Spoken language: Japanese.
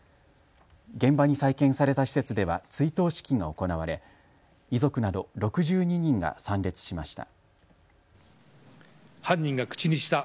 現場に再建された施設では追悼式が行われ遺族など６２人が参列しました。